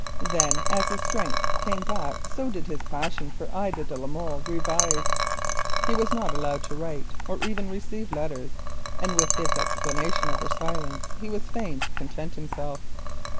Then as his strength came back so did his passion for Ida de la Molle revive. He was not allowed to write or even receive letters, and with this explanation of her silence he was fain to content himself.